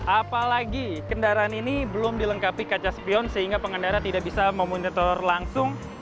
apalagi kendaraan ini belum dilengkapi kaca spion sehingga pengendara tidak bisa memonitor langsung